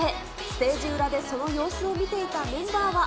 ステージ裏でその様子を見ていたメンバーは。